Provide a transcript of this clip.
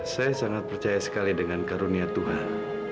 saya sangat percaya sekali dengan karunia tuhan